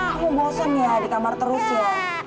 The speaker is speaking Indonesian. kamu bosan ya di kamar terus ya